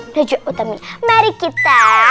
udah juga udah mie mari kita